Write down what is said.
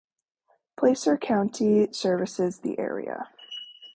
Placer County services the area.